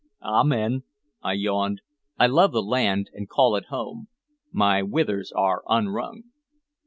"Amen," I yawned. "I love the land, and call it home. My withers are unwrung."